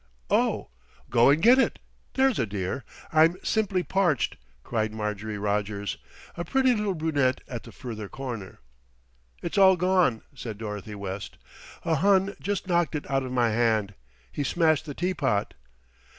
"Oh! go and get it, there's a dear; I'm simply parched," cried Marjorie Rogers, a pretty little brunette at the further corner. "It's all gone," said Dorothy West; "a Hun just knocked it out of my hand. He smashed the teapot."